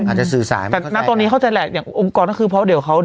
อาจจะสื่อสารมาแต่ณตอนนี้เข้าใจแหละอย่างองค์กรก็คือเพราะเดี๋ยวเขา